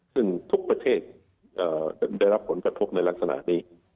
ซึ่งทุกประเทศได้รับผลกระทบในลักษณะนี้